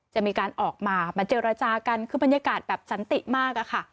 จะมีการออกมามาเจรจากันคือบรรยากาศแบบสันติมากอะค่ะ